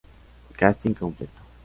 Casting Completo